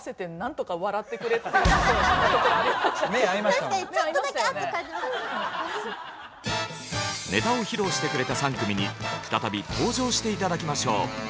確かにちょっとだけネタを披露してくれた３組に再び登場して頂きましょう。